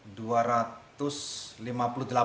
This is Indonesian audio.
sebanyak penumpang dua ratus lima puluh delapan penumpang